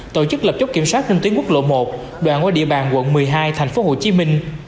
tổ chức lập chốt kiểm soát trên tuyến quốc lộ một đoạn qua địa bàn quận một mươi hai thành phố hồ chí minh